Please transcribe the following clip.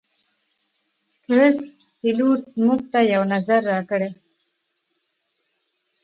ټرسټ پیلوټ - موږ ته یو نظر راکړئ